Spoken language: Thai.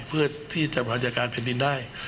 เพื่อที่จะหัวจัดการน์แพนดินได้